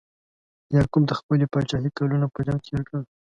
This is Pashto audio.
یعقوب د خپلې پاچاهۍ کلونه په جنګ تیر کړل.